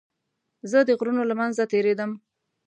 زه د غرونو له منځه تېرېدم.